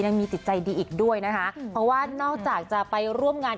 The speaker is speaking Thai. ยังมีจิตใจดีอีกด้วยนะคะเพราะว่านอกจากจะไปร่วมงาน